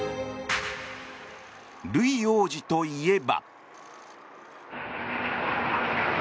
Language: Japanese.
ルイ王子といえば。